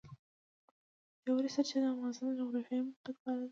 ژورې سرچینې د افغانستان د جغرافیایي موقیعت پایله ده.